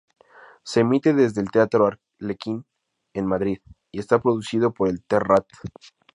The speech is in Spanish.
Se emite desde el Teatro Arlequín en Madrid y está producido por El Terrat.